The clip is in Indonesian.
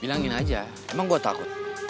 bilangin aja emang gue takut